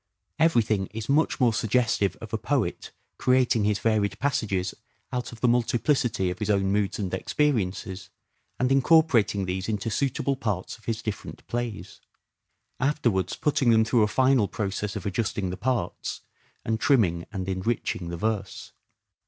Everything is much more suggestive of a poet creating his varied passages out of the multiplicity of his own moods and experiences; and incorporating these into suitable parts of his different plays : afterwards putting them through a final process of adjusting the parts, and trimming and enriching the verse.